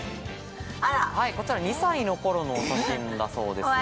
こちら２歳の頃のお写真だそうです。